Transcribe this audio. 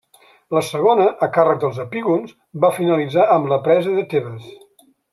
La segona, a càrrec dels epígons, va finalitzar amb la presa de Tebes.